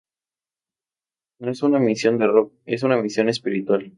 No en una misión de rock, en una misión espiritual.